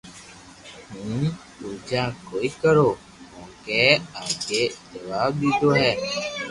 ھون پوجا ڪوئيي ڪرو ڪونڪھ آگي جواب ديوو ھي